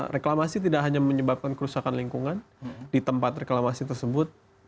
reklamasi tidak hanya menyebabkan kerusakan lingkungan di tempat reklamasi tersebut